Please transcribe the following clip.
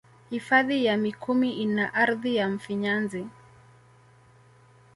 Hifadhi ya mikumi ina ardhi ya mfinyanzi